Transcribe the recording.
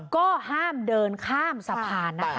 ก็ห้ามเดินข้ามสะพานนะคะ